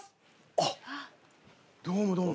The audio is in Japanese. あっどうもどうも。